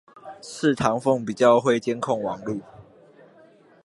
是唐鳳比較會監控網路